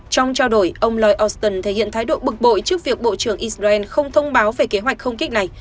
trong trao đổi ông loy auston thể hiện thái độ bực bội trước việc bộ trưởng israel không thông báo về kế hoạch không kích này